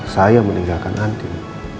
saya meninggalkan andin